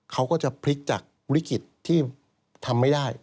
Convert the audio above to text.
เขาก็จะพลิกจากวิกฤตที่ทำไม่ได้